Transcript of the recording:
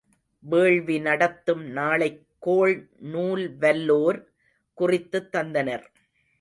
வேள்வி நடத்தும் நாளைக் கோள் நூல்வல் லோர் குறித்துத் தந்தனர்.